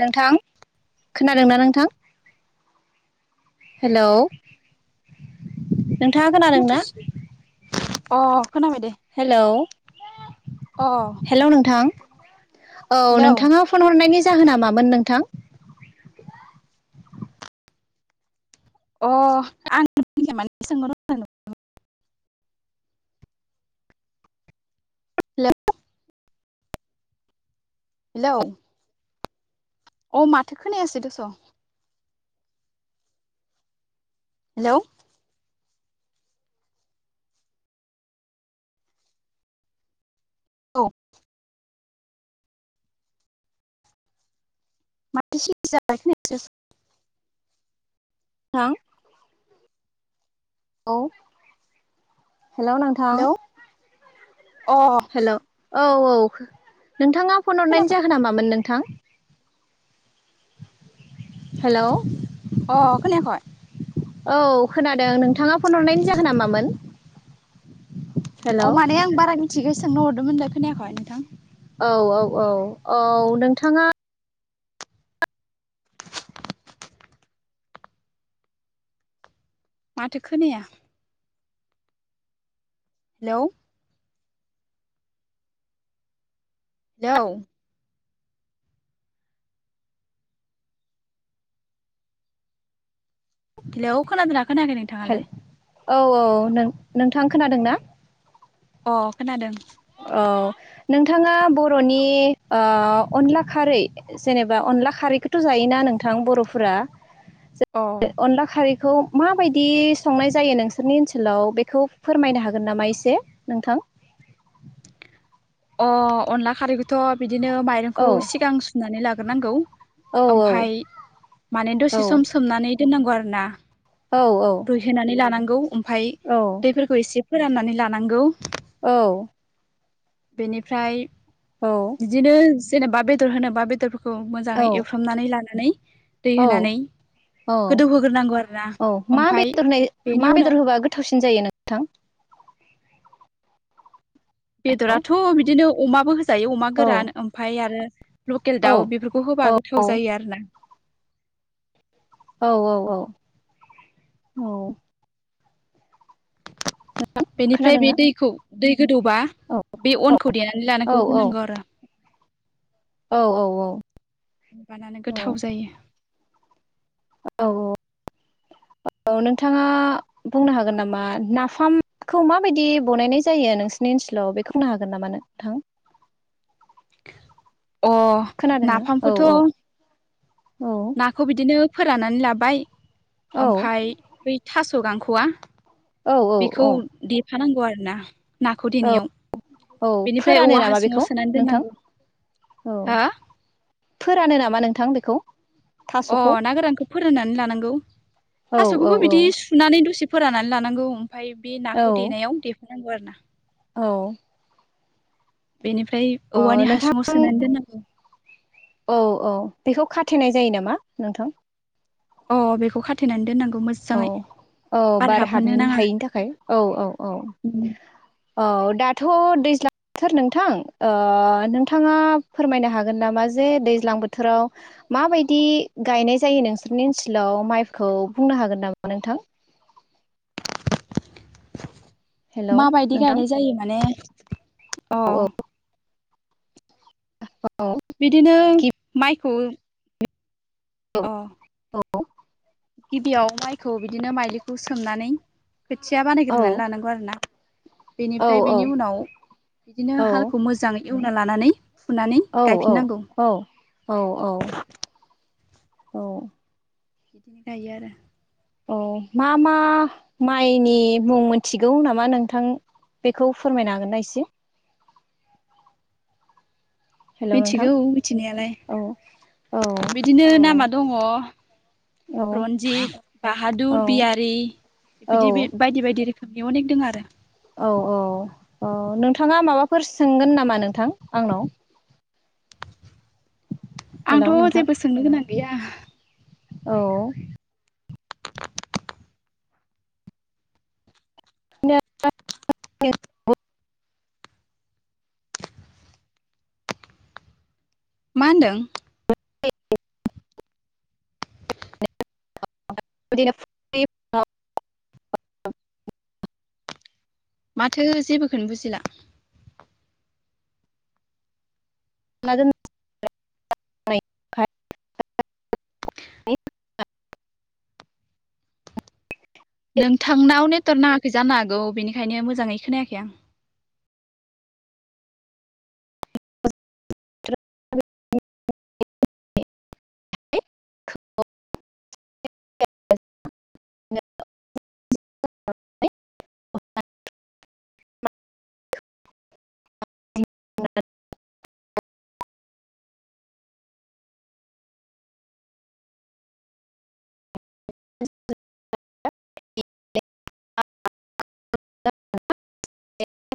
नोंथां खोनादों ना नोंथां? हेलौ नोंथाङा खोनादों ना? अ खोनाबाय दे हेलौ अ हेलौ नोंथां। औ हेलौ नोंथाङा फन हरनायनि जाहोना मामोन नोंथां? अ आं [unintelligible] हेलौ। अ माथो खोनायासै दसं। हेलौ। औ। माथो सिरि जालायखो [unintelligible] हां औ हेल' नोंथां हेलौ अ ‌ हेलौ औ औ नोंथाङा फन हरनायनि खोनाबाय जाहोना मामोन नों थां हेलौ, अ खोनायाखै औ खोनादों नोंथाङा फन हरनायनि जाहोना मामोन हेलौ अ माने आं बारा मिथिगो सोंनो हरदोंमोन खोनायाखै औ औ औ औ नोंथाङा माथो खोनाया हेलौ, हेलौ हेलौ खोनादोंना खोनाखै हेल नोंथाङालाय औ औ नोंथां खोनादों ना अ खोनादों। औ नोंथाङा बर'नि अनला खारै जेनेबा अन अनला खारैखौथ' जायोना नोंथां बर'फोरा अ अनला खारै बेखौ माबायदि संनाय जायो नोंसोरनि ओनसोलाव बेखौ फोरमायनो हागोन नामा एसे नोंथां [inaudible] अ अनला खारैखौथ' बिदिनो औ माइरंखौ सिगां सुनानै लाग्रोनांगौ औ ओमफाय माने औ दसे सम सोमनानै दोननांगौ आरो ना औ रुइहोनानै लानांगौ ओमफाय औ दैफोरखौ एसे फोराननानै लानांगौ औ बेनिफ्राय औ बिदिनो जेनेबा बेदर होनोबा बेदर खौ मोजाङै औ एवफ्रामनानै लानानै दै होनानै औ गोदौहोग्रोनांगौ आरोना औ मा ओमफाय बेदर होनाय मा बेनि बेदर उनाव होबा गोथावसिन जायो नोंथां औ बेदराथ' बिदिनो अमाबो होजायो अमा औ गोरान ओमफाय आरो लकेल औ दाउ बेफोरखौ होबा औ गोथाव जायो आरोना औ औ औ औ बेनिफ्राय बे खोनादोंना दैखौ दै गोदौबा औ बे औ अनखौ देनानै औ लानांगौ होनांगौ आरोबाव औ माबानानो औ गोथाव जायो। औ औ औ नोंथाङा बुंनो हागोन नामा नाफामखौ माबायदि बनायनाय जायो नोंसिनि ओन सोलाव बेखौ होगो हागोन नामा नोंथां अ खोनादोंना औ नाफामखौथ' औ औ नाखौ बिदिनो फोराननानै लाबाय औ ओमफाय बै थास' स' गांख'वा औ औ औ खानांगौ आरोना नाखौ देनायाव औ बेनिफ्राय फोरानो औवा नामा बेखौ हासुङाव सोनानै नोंथां दोननांगौ। औ हो फोरानो नामा नोंथां बेखौ अ थास'खौ ना गोरानखौ फोराननानै लानांगौ औ औ थास'खौबो औ बिदि सुनानै दसे फोराननानै लानांगौ ओमफाय बे औ नाखौ देनायाव देफानांगौ आरोना औ बेनिफ्राय औ औवानि हासुङाव नोंथां सोनानै दोननांगौ औ औ बेखौ खा थैनाय जायो नामा नोंथां अ बेखौ खाथायनानै दोननांगौ औ मोजाङै औ बार हाबहोनो हाबनो नाङा हायैनि थाखाय औ औ औ औ दाथ' दैज्लां थोर नोंथां ओ नोंथाङा फोरमायनो हागोन नामा जे दैज्लां बोथोराव माबायदि गायनाय जायो नोंसोरनि ओनसोलाव माइखौ बुंनो हागोन नामा नोंथां हेलौ माबायदि नोंथां गायनाय जायो माने अ औ बिदिनो माइखौ औ गिबियाव माइखौ बिदिनो माइलिखौ सोमनानै खोथिया औ बानायग्रोनानै लानांगौ आरो ना औ बेनिफ्राय बेनि उनाव बिदिनो औ हालखौ मोजाङै एवना लानानै फुनानै औ गायफिननांगौ औ-औ-औ-औ-औ बिदिनो गायो आरो औ मा मा माइनि मुं मोनथिगौ नामा नोंथां बेखौ फोरमायनो हागोना एसे हेलौ नोंथां मिथिगौ मिथिनायालाय औ औ बिदिनो नामा दङ औ रनजित बाहादुर औ बियारि बिदि औ बायदि बायदि रोखोम बे अनेक दङ आरो औ औ-औ नोंथाङा माबाफोर सोंगोन नामा नोंथां आंनाव हेलौ आंथ' नोंथां जेबो सोंनो गोनां गैया औ आ मा होनदों [unintelligible] [unintelligible] माथो जेबोखौनो बुजिला [unintelligible] [unintelligible] नोंथांनाव नेटरक नाङाखै जानो हागौ बेनिखायनो मोजाङै खोनायाखै आं [unintelligible] [unintelligible] [unintelligible] [unintelligible] [unintelligible] [unintelligible] [unintelligible]